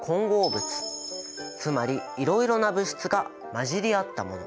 つまりいろいろな物質が混じり合ったもの。